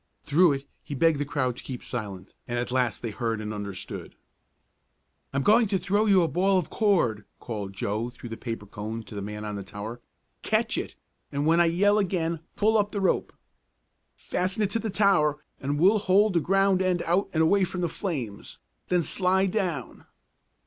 Through it he begged the crowd to keep silent, and at last they heard and understood. "I'm going to throw you a ball of cord!" called Joe through the paper cone to the man on the tower. "Catch it, and when I yell again, pull up the rope. Fasten it to the tower and we'll hold the ground end out and away from the flames. Then slide down."